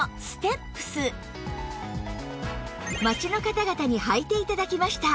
街の方々に履いて頂きました